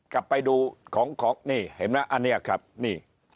กลับไปดูของนี่เห็นไหมอันนี้ครับนี่